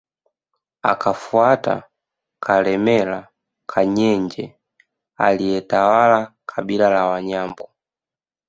Akafuata Kalemera Kanyenje aliyetawala kabila la Wanyambo